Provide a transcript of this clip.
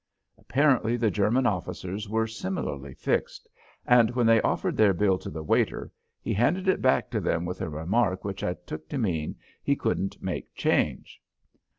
Apparently the German officers were similarly fixed, and when they offered their bill to the waiter he handed it back to them with a remark which I took to mean that he couldn't make change.